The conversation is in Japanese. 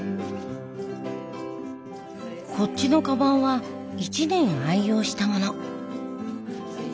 こっちのかばんは１年愛用したもの。